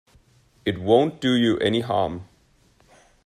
It won't do you any harm.